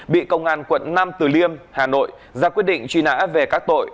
bị công an quận nam từ liêm hà nội ra quyết định truy nã về các tội